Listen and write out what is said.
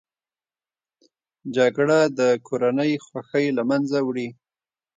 جګړه د کورنۍ خوښۍ له منځه وړي